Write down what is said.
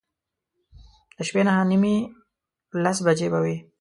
د شپې نهه نیمې، لس بجې به وې.